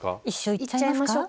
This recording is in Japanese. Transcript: いっちゃいましょうか。